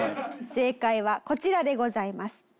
正解はこちらでございます。